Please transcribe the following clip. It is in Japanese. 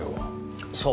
そう。